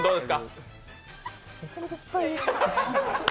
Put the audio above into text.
めちゃめちゃすっぱいです